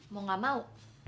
mau gak mau